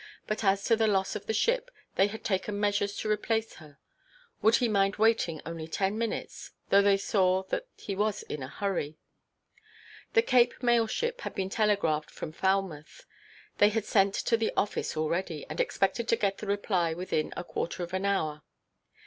but as to the loss of the ship, they had taken measures to replace her. Would he mind waiting only ten minutes, though they saw that he was in a hurry? The Cape mail–ship had been telegraphed from Falmouth; they had sent to the office already, and expected to get the reply within a quarter of an hour.